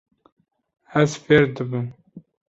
Ez fêr dibim.